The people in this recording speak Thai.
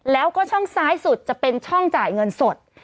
แล้วก็ช่องซ้ายสุดจะเป็นช่องจ่ายเงินสด